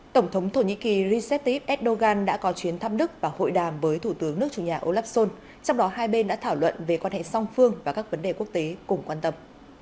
tổng thống thổ nhĩ kỳ recep tayyip erdogan đã có chuyến thăm đức và hội đàm với thủ tướng nước chủ nhà olaf schol trong đó hai bên đã thảo luận về quan hệ song phương và các vấn đề quốc tế cùng quan tâm